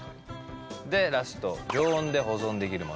でラスト常温で保存できるものです。